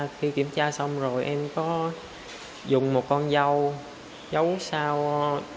khi kiểm tra xong rồi em có dùng một con dao giấu sao